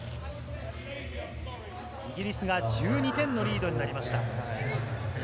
イギリスが１２点のリードになりました。